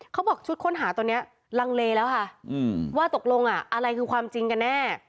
เขาบอกชุดค้นหาตัวนี้ลังเลแล้วค่ะว่าตกลงอะไรคือความจริงกันแน่